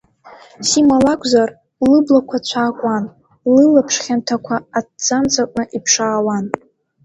Сима лакәзар, лыблақәа цәаакуан, лылаԥш хьанҭақәа аҭӡамц аҟны иԥшаауан.